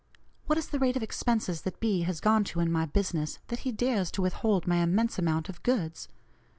What is the rate of expenses that B. has gone to in my business, that he dares to withhold my immense amount of goods?